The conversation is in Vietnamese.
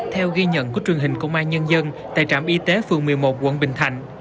theo ghi nhận của truyền hình công an nhân dân tại trạm y tế phường một mươi một quận bình thạnh